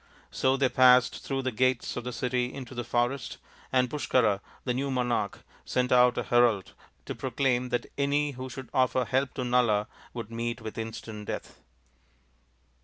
So they passed through the gates of the city into the forest, and Pushkara, the new monai^h, sent out a herald to proclaim that any who should offer help to Nala would meet with ii^ant death.